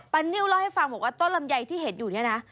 นิ้วเล่าให้ฟังบอกว่าต้นลำไยที่เห็นอยู่เนี่ยนะ